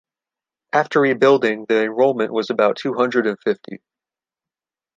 After rebuilding, the enrollment was about two hundred and fifty.